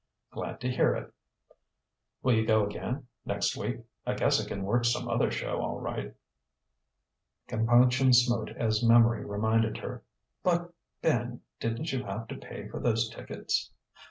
Glad to hear it. Will you go again next week? I guess I can work som'other show, all right." Compunction smote as memory reminded her. "But Ben didn't you have to pay for those tickets?"